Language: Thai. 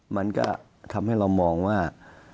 มันก็ทำให้เรามองว่า